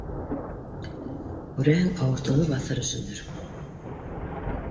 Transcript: Күрәһең, ауыртыуҙы баҫыр өсөндөр.